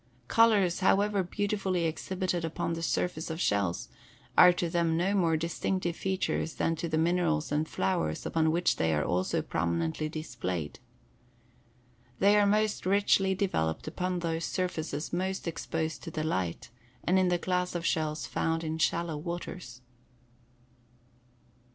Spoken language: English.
Colors, however beautifully exhibited upon the surface of shells, are to them no more distinctive features than to the minerals and flowers upon which they are also prominently displayed. They are most richly developed upon those surfaces most exposed to the light and in the class of shells found in shallow waters.